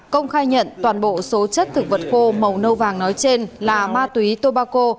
công khai nhận toàn bộ số chất thực vật khô màu nâu vàng nói trên là ma túy tobacco